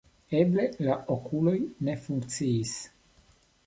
Eble, la okuloj ne funkciis.